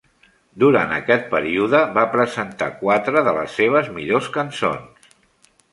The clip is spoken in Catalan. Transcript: Durant aquest període va presentar quatre de les seves millors cançons.